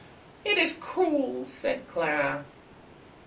"It is cruel!" said Clara.